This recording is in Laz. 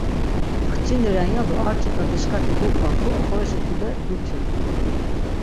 Xçini ren yado ar ç̆it̆a dişkati duk̆vat̆u, oxorişi tude dutiru.